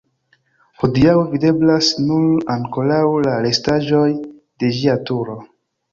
Hodiaŭ videblas nur ankoraŭ la restaĵoj de ĝia turo.